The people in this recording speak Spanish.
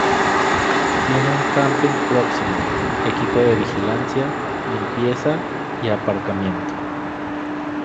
Tiene un camping próximo, equipo de vigilancia, limpieza y aparcamiento.